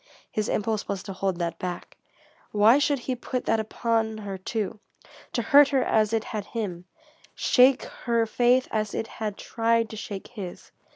His impulse was to hold that back. Why should he put that upon her, too, to hurt her as it had him, shake her faith as it had tried to shake his?